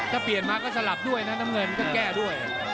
ถ้าเปลี่ยนมาก็สลับด้วยนะน้ำเงินก็แก้ด้วย